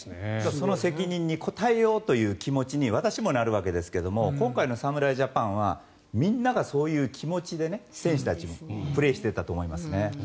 その責任に応えようという気持ちに私もなるわけですが今回の侍ジャパンはみんながそういう気持ちで選手たちもプレーしていたと思います。